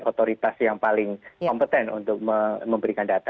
otoritas yang paling kompeten untuk memberikan data